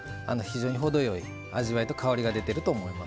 非常に程よい味わいと香りが出てると思います。